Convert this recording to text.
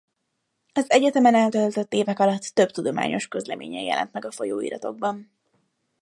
Az egyetemen eltöltött évek alatt több tudományos közleménye jelent meg folyóiratokban.